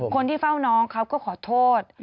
คนที่เฝ้าน้องเขาก็ขอโทษ